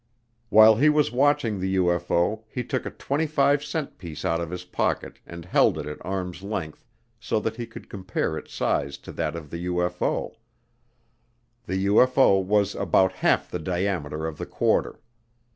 While he was watching the UFO he took a 25 cent piece out of his pocket and held it at arm's length so that he could compare its size to that of the UFO. The UFO was about half the diameter of the quarter.